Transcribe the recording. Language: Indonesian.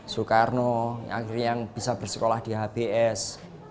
soekarno akhirnya yang bisa bersekolah di hbs